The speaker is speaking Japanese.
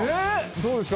どうですか？